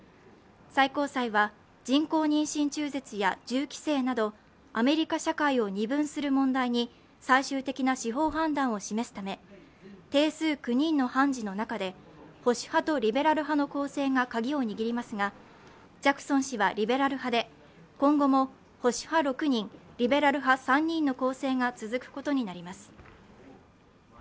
最高裁は、人工妊娠中絶や銃規制などアメリカ社会を二分する問題に最終的な司法判断を示すため、定数９人の判事の中で保守派とリベラル派の構成が鍵を握りますがジャクソン氏はリベラル派で、今後も保守派６人、リベラル派３人の構成が続くことになります。